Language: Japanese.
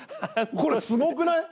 これ、すごくない？